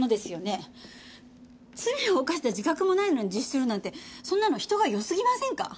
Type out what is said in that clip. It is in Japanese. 罪を犯した自覚もないのに自首するなんてそんなの人がよすぎませんか？